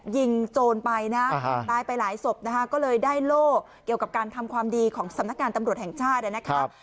ยิงโจรไปนะตายไปหลายศพนะคะก็เลยได้โล่เกี่ยวกับการทำความดีของสำนักงานตำรวจแห่งชาตินะครับ